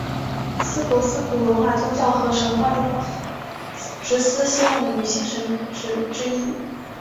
司珀斯古罗马宗教和神话中职司希望的女性神只之一。